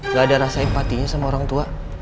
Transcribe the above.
gak ada rasa empatinya sama orang tua